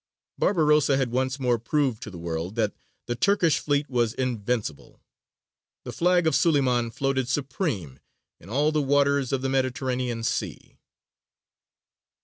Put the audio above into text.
Barbarossa had once more proved to the world that the Turkish fleet was invincible. The flag of Suleymān floated supreme in all the waters of the Mediterranean Sea.